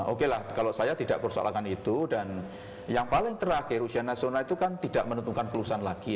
oke lah kalau saya tidak persoalankan itu dan yang paling terakhir ujian nasional itu kan tidak menentukan kelulusan lagi